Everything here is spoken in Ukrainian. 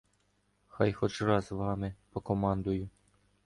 Хай хоч раз вами покомандую.